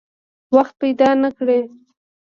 وخت پیدا نه کړي.